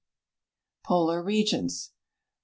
POLAR REGIONS The